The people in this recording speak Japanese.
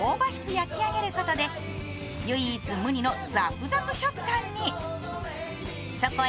焼き上げることで唯一無二のザクザク食感へ。